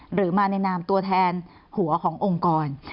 หรือมาในนามตัวแทนหัวขององค์กร